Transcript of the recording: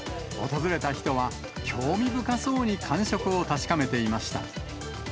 訪れた人は、興味深そうに感触を確かめていました。